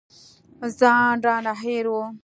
ځان رانه هېر و.